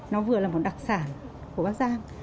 nó vừa là một đặc sản